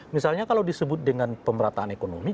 misalnya kalau disebut dengan pemerataan ekonomi